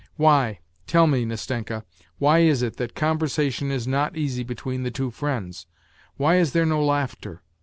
Why, tell me, Nastenka, why is it conversation is not easy between the two friends ? Why is there no laughter